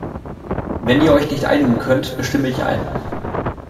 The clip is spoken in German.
Wenn ihr euch nicht einigen könnt, bestimme ich einen.